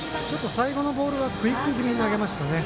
最後のボールはクイック気味に投げましたね